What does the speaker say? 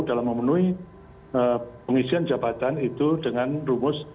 dalam memenuhi pengisian jabatan itu dengan rumus lima ratus tiga puluh dua